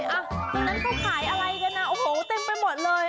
ตอนนั้นเขาขายอะไรกันนะโอ้โหเต็มไปหมดเลย